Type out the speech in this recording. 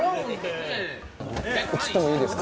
移ってもいいですか？